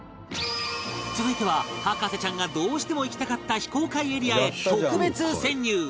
続いては博士ちゃんがどうしても行きたかった非公開エリアへ特別潜入！